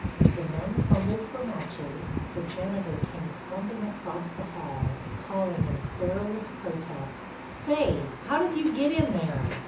As the men fumbled for matches, the janitor came clumping across the hall, calling in querulous protest: "Say—how'd you get in there?